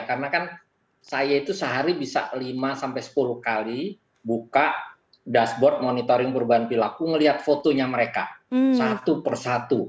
karena saya sehari bisa lima sepuluh kali buka dashboard monitoring perubahan perlaku melihat fotonya mereka satu persatu